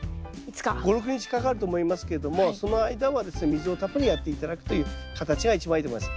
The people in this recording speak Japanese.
５６日かかると思いますけれどもその間はですね水をたっぷりやって頂くという形が一番いいと思います。